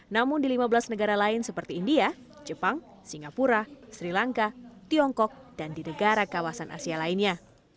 namun di lima belas negara lain seperti india jepang singapura sri lanka tiongkok dan di negara kawasan asia lainnya